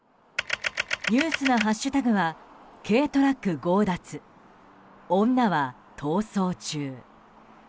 ニュースなハッシュタグは「＃軽トラック強奪女は逃走中」。